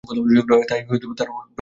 তাই তারাও প্রস্তুত হয়ে ছিলেন।